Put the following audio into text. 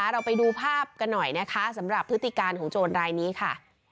เราไปดูภาพกันไหนสำหรับพฤษฐกรรมของโจรหลายนี้ค่ะ